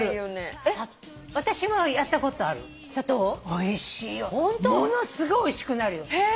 おいしいよものすごいおいしくなるよ。